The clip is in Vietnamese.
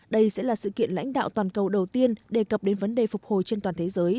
đây sẽ là sự kiện lãnh đạo toàn cầu đầu tiên đề cập đến vấn đề phục hồi trên toàn thế giới